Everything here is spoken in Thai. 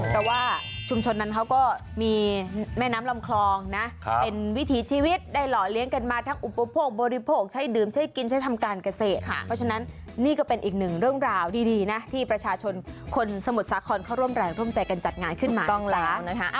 เพราะว่าชุมชนนั้นเขาก็มีแม่น้ำลำคลองนะเป็นวิถีชีวิตได้หล่อเลี้ยงกันมาทั้งอุปโภคบริโภคใช้ดื่มใช้กินใช้ทำการเกษตรค่ะเพราะฉะนั้นนี่ก็เป็นอีกหนึ่งเรื่องราวดีนะที่ประชาชนคนสมุทรสาครเขาร่วมแรงร่วมใจกันจัดงานขึ้นมาต้องแล้วนะคะ